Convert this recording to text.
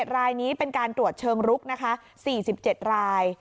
๖๗รายนี้เป็นการตรวจเชิงลุก๔๗ราย